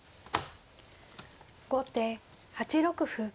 後手８六歩。